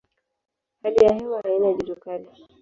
Hali ya hewa haina joto kali.